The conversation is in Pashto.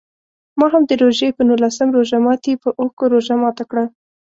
ما هم د روژې په نولسم روژه ماتي په اوښکو روژه ماته کړه.